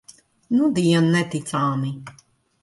Nudien neticami.